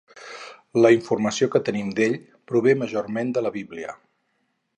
La informació que tenim d'ell, prove majorment de la Bíblia.